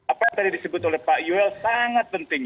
apa yang tadi disebut oleh pak yuel sangat penting